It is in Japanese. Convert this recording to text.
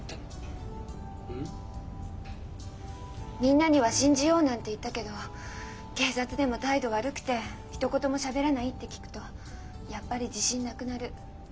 みんなには「信じよう」なんて言ったけど警察でも態度悪くてひと言もしゃべらないって聞くとやっぱり自信なくなる。